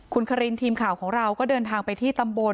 คุณคารินทีมข่าวของเราก็เดินทางไปที่ตำบล